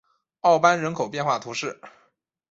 奥班人口变化图示